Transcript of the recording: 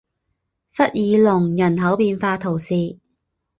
弗尔农人口变化图示